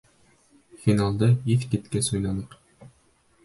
Финалды иҫ киткес уйнаның!